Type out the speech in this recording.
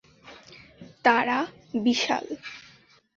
তারা বিশাল।